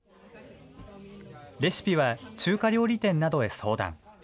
レシピは中華料理店などへ相談。